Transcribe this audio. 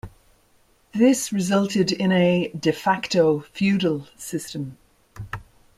This resulted in a "de facto" feudal system.